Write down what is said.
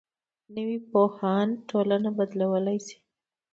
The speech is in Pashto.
نوی پوهاند ټولنه بدلولی شي